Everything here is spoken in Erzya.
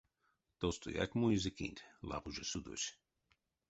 Тостояк муизе кинть лапужа судось.